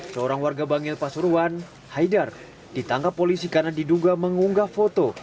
seorang warga bangil pasuruan haidar ditangkap polisi karena diduga mengunggah foto